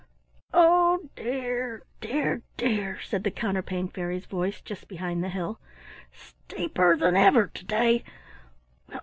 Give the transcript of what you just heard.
"Oh dear, dear, dear!" said the Counterpane Fairy's voice just behind the hill. "Steeper than ever to day.